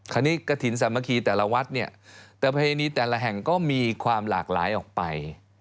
คนนี้กฐินสมคีแต่ละวัฒน์เนี่ยแต่ภายนี้แต่ละแห่งก็มีความหลากหลายออกไป